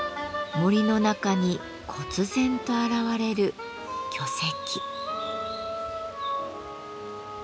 森の中にこつ然と現れる巨石。